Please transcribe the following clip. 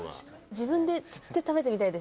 自分で釣って食べてみたいですね。